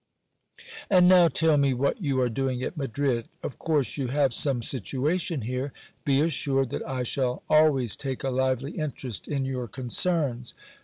And now tell me what you are doing at Madrid. Of course you have some situation here. Be assured that I shall always take a lively interest in your concerns.